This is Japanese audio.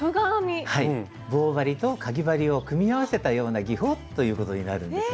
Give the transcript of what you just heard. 棒針とかぎ針を組み合わせたような技法ということになるんです。